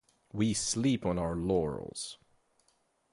We sleep on our laurels.